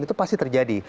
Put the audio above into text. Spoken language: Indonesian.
itu pasti terjadi